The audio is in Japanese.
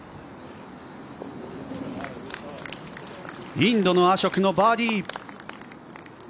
インドのアショクのバーディー。